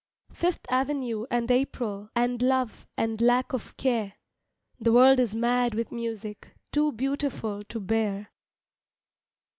Fifth Avenue and April And love and lack of care The world is mad with music Too beautiful to bear.